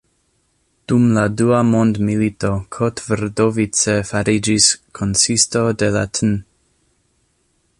Dum la dua mondmilito Kotvrdovice fariĝis konsisto de la tn.